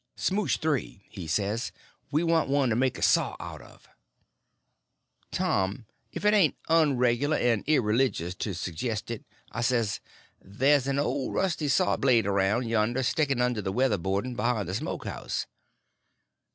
"Smouch three," he says; "we want one to make a saw out of." "Tom, if it ain't unregular and irreligious to sejest it," I says, "there's an old rusty saw blade around yonder sticking under the weather boarding behind the smoke house."